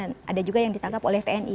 dan ada juga yang ditangkap oleh tni